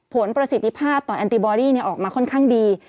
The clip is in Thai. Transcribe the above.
ผลประสิทธิภาพต่อแอนติบอรี่ออกมาค่อนข้างดี